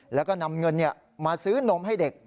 แล้วก็นำเงินมาซื้อนมให้เด็ก